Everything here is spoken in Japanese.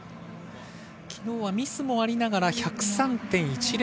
昨日はミスもありながら１０３．１００